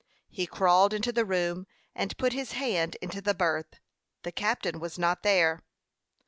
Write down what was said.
He crawled into the room, and put his hand into the berth. The captain was not there.